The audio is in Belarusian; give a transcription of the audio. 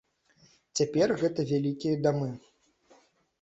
Цяпер гэта вялікія дамы.